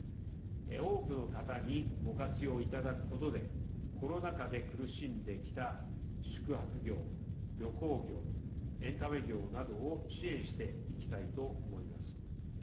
多くの方にご活用いただくことでコロナ禍で苦しんできた宿泊業、旅行業エンタメ業などを支援していきたいと思います。